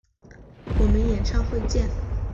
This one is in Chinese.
我们演唱会见！